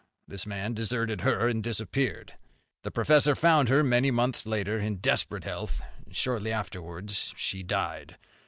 This man deserted her, and disappeared. The professor found her many months later, in desperate health. Shortly afterwards she died.